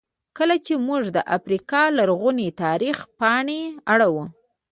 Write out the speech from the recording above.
کله چې موږ د افریقا لرغوني تاریخ پاڼې اړوو.